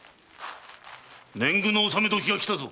年貢の納め時がきたぞ！